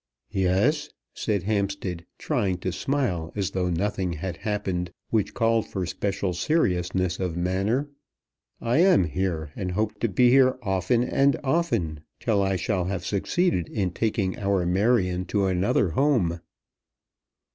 "Yes," said Hampstead, trying to smile, as though nothing had happened which called for special seriousness of manner, "I am here. I am here, and hope to be here often and often till I shall have succeeded in taking our Marion to another home."